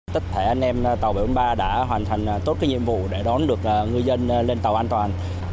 tích thể anh em tàu bảy trăm bốn mươi ba đã hoàn thành tốt nhiệm vụ để đón được người dân lên tàu an toàn